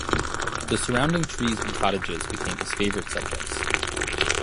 The surrounding trees and cottages became his favourite subjects.